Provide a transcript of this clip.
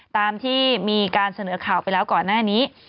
ตามที่มีการเสนอข่าวไปแล้วก่อนหน้านี้